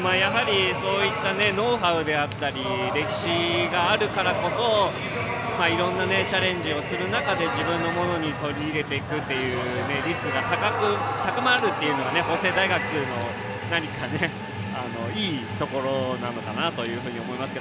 ノウハウであったり歴史があるからこそいろんなチャレンジをする中で自分のものに取り入れていく率が高まるのが法政大学の何かいいところなのかなと思いますが。